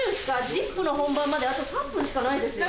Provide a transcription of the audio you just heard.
『ＺＩＰ！』の本番まであと３分しかないですよ。